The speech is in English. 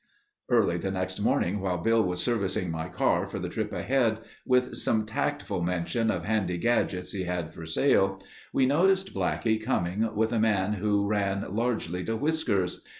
Early the next morning while Bill was servicing my car for the trip ahead, with some tactful mention of handy gadgets he had for sale, we noticed Blackie coming with a man who ran largely to whiskers.